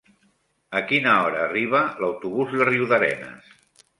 A quina hora arriba l'autobús de Riudarenes?